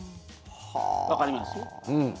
わかります？